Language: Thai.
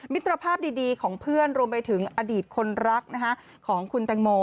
มิตรภาพดีของเพื่อนรวมไปถึงอดีตคนรักของคุณแตงโม